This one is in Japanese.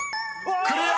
［クリア！］